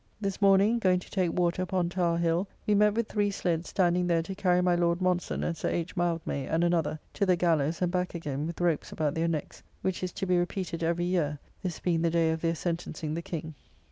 This morning, going to take water upon Tower hill, we met with three sleddes standing there to carry my Lord Monson and Sir H. Mildmay and another, to the gallows and back again, with ropes about their necks; which is to be repeated every year, this being the day of their sentencing the King.